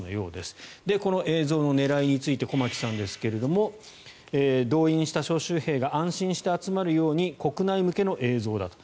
この映像の狙いについて駒木さんですが動員した招集兵が安心して集まるように国内向けの映像だと。